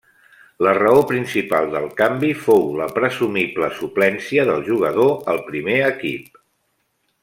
La raó principal del canvi fou la presumible suplència del jugador al primer equip.